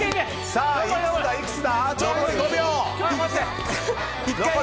さあ、いくつ？